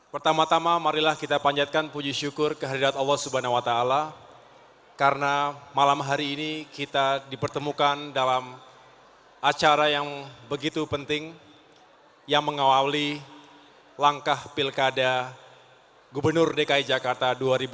pertama tama marilah kita panjatkan puji syukur kehadirat allah subhanahu wa ta'ala karena malam hari ini kita dipertemukan dalam acara yang begitu penting yang mengawali langkah pilkada gubernur dki jakarta dua ribu tujuh belas dua ribu dua puluh dua